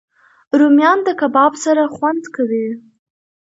رومیان د کباب سره خوند کوي